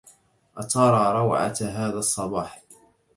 أترى روعة هذا الصّباح؟